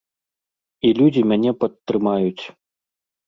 І людзі мяне падтрымаюць.